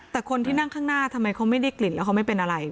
แต่คนที่นั่งข้างหน้าทำไมเขาไม่ได้กลิ่นแล้วเขาไม่เป็นอะไร